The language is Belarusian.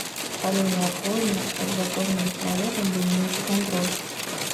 Але неабходна, каб за кожным чалавекам быў нейкі кантроль.